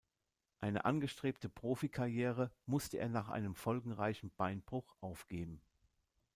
Eine angestrebte Profikarriere musste er nach einem folgenreichen Beinbruch aufgeben.